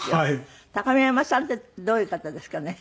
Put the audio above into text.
高見山さんってどういう方ですかね？